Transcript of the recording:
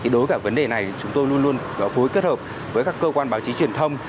đối với cả vấn đề này chúng tôi luôn luôn phối kết hợp với các cơ quan báo chí truyền thông